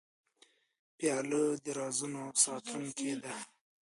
پیاله د رازونو ساتونکې ده.